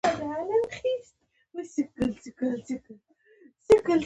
زړه د هيلو ځنځیر جوړوي.